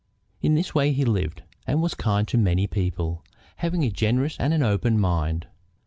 In this way he lived, and was kind to many people, having a generous and an open hand.